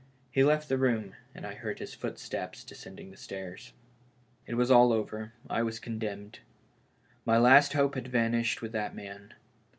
He left the room, and I heard his footsteps descending the stairs. It was all over; I was condemned. My last hope had vanished with that man.